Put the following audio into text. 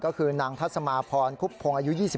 ก็คือนางทัศมาพรคุบพงศ์อายุ๒๓